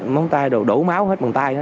móng tay đổ máu hết bằng tay